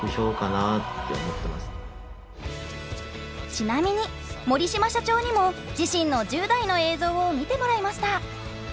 ちなみに森島社長にも自身の１０代の映像を見てもらいました。